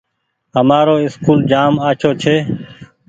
همآرو اسڪول جآم آڇو ڇي۔